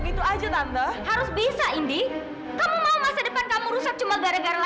gitu aja tante harus bisa indi kamu mau masa depan kamu rusak cuma gara gara